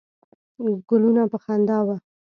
ګلونه په خندا وه.